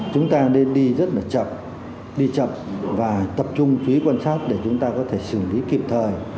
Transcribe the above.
chúng ta nên đi rất là chậm đi chậm và tập trung phí quan sát để chúng ta có thể xử lý kịp thời